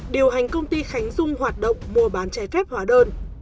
điều hành công ty khánh dung hoạt động mua bán trái phép hóa đơn